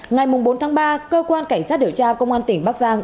ngày bốn tháng ba cơ quan cảnh sát điều tra công an tỉnh bắc giang